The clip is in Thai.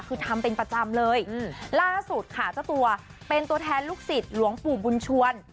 คือทำเป็นประจำเลยล่าสุดค่ะเจ้าตัวเป็นตัวแทนลูกศิษย์หลวงปู่บุญชวน